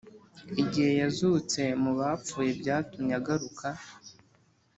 igihe yazutse mu bapfuye, byatumye agaruka